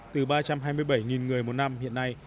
từ ba trăm hai mươi bảy người một năm hiện nay